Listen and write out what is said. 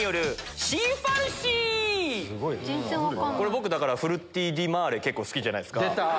僕フルッティ・ディ・マーレ結構好きじゃないっすか。